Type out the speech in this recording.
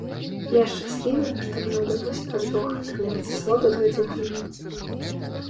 Я шчаслівы, што мне ўдалося так доўга атрымліваць асалоду ад гэтай гульні!